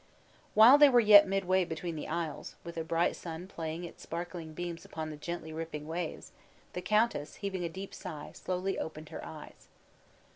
While they were yet midway between the isles, with a bright sun playing its sparkling beams upon the gently rippling waves, the countess, heaving a deep sigh, slowly opened her eyes.